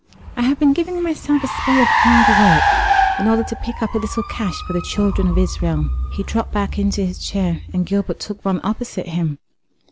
I have been giving myself a spell of hard work in order to pick up a little cash for the children of Israel." He dropped back into his chair, and Gilbert took one opposite him.